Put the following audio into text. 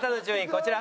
こちら。